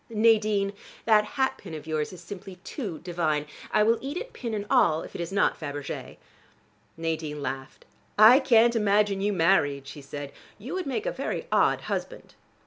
Nadine, that hat pin of yours is simply too divine. I will eat it pin and all if it is not Fabergé." Nadine laughed. "I can't imagine you married," she said. "You would make a very odd husband."